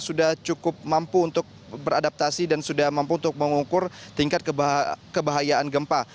sudah cukup mampu untuk beradaptasi dan sudah mampu untuk mengukur tingkat kebahayaan gempa